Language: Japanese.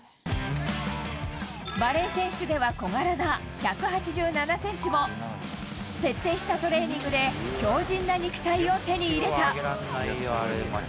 バレー選手では小柄な１８７センチも、徹底したトレーニングで強じんな肉体を手に入れた。